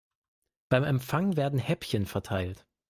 Beim Empfang werden Häppchen verteilt.